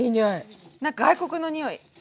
なんか外国のにおい。ね！